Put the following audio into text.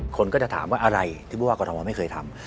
คนก็จะถามว่าอะไรที่ผู้ว่ากรทมไม่เคยทำ